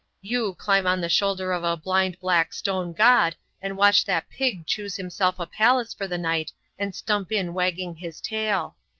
You climb on the shoulder of a blind black stone god and watch that pig choose himself a palace for the night and stump in wagging his tail.